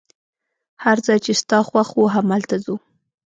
هر ځای چي ستا خوښ وو، همالته ځو.